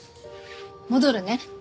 戻るね。